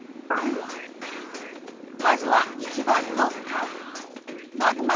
まずは１ばんのカード。